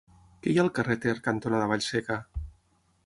Què hi ha al carrer Ter cantonada Vallseca?